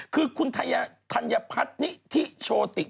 คือทันยพัฒนิทิโชติฯ